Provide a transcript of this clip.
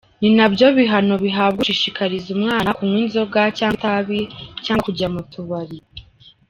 Ni nabyo bihano bihabwa ushishikariza umwana kunywa inzoga cyangwa itabi cyangwa kujya mu tubari”.